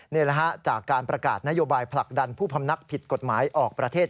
นี่แหละฮะจากการประกาศนโยบายผลักดันผู้พำนักผิดกฎหมายออกประเทศ